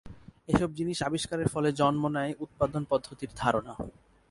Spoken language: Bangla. এসব জিনিস আবিষ্কারের ফলে জন্ম নেয় উৎপাদন পদ্ধতির ধারণা।